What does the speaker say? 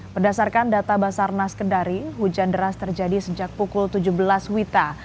berdasarkan data basarnas kendari hujan deras terjadi sejak pukul tujuh belas wita